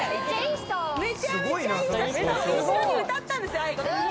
一緒に歌ったんですよ。